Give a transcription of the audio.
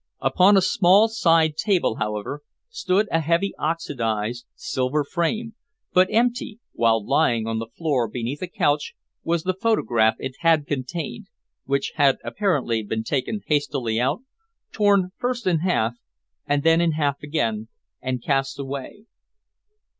Upon a small side table, however, stood a heavy oxidized silver frame, but empty, while lying on the floor beneath a couch was the photograph it had contained, which had apparently been taken hastily out, torn first in half and then in half again, and cast away.